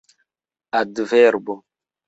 adverbo